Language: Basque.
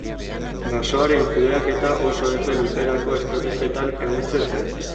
Basoaren kudeaketa oso epe luzerako estrategietan ehuntzen zen.